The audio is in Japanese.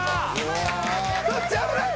そっち危ない！